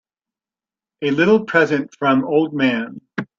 A little present from old man.